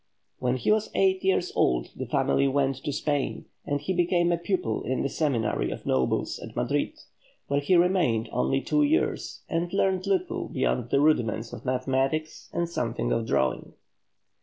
When he was eight years old the family went to Spain, and he became a pupil in the Seminary of Nobles at Madrid, where he remained only two years, and learned little beyond the rudiments of mathematics and something of drawing.